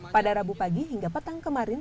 pada rabu pagi hingga petang kemarin